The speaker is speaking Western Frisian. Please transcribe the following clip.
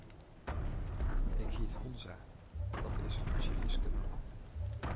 Ik hyt Honza, dat is in Tsjechyske namme.